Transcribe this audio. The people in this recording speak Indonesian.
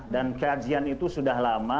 dan kajian itu sudah lama